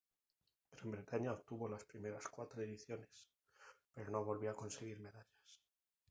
Gran Bretaña obtuvo las primeras cuatro ediciones pero no volvió a conseguir medallas.